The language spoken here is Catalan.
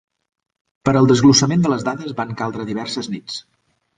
Per al desglossament de les dades van caldre diverses nits.